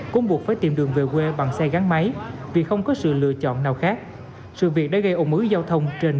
cũng buộc phải tìm đường về